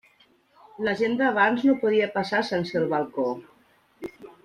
La gent d'abans no podia passar sense el balcó.